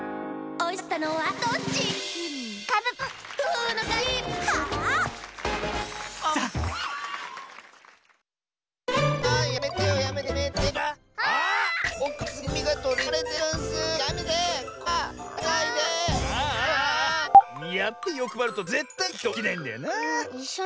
おいしょ。